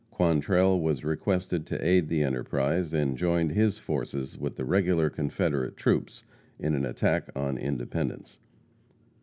Quantrell was requested to aid the enterprise, and joined his forces with the regular Confederate troops in an attack on Independence.